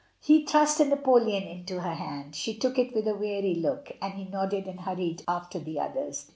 He thrust a napoleon into her hand. She took it with a weary look, and he nodded and hurried after the others.